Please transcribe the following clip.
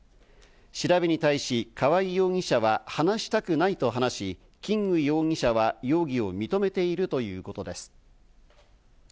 調べに対し川合容疑者は、話したくないと話し、キング容疑者は容疑を認めているということです。